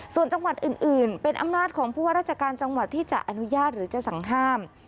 ส่วนจังหวัดอื่นเป็นอำนาจของผู้ว่าราชการจังหวัดที่จะอนุญาตหรือจะสั่งห้าม